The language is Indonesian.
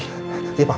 iya pak beneran